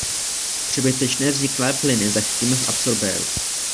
Přebytečné vzniklé plyny zachytíme v absorbéru.